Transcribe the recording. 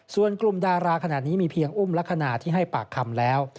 ส่วนกลุ่มดาราขนาดนี้มีเพียงอุ้มลักษณะที่ให้ปากคำแล้ว